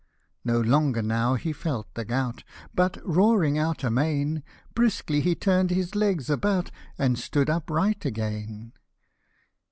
No longer now he felt the gout, But, roaring out amain, Briskly he turn'd his legs about, And stood upright again.